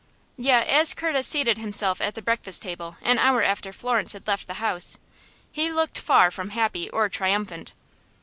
Yet, as Curtis seated himself at the breakfast table an hour after Florence had left the house, he looked far from happy or triumphant.